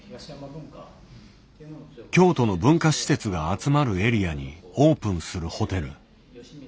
京都の文化施設が集まるエリアにオープンするホテル。